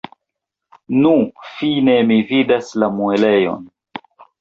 Nu, fine mi vidas la muelejon!